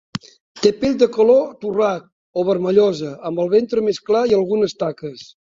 Té pell de color torrat o vermellosa amb el ventre més clar i algunes taques.